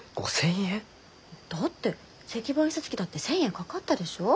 だって石版印刷機だって１，０００円かかったでしょ？